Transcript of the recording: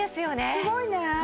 すごいね。